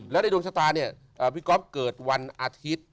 แล้วในดวงชะตาเนี่ยพี่ก๊อฟเกิดวันอาทิตย์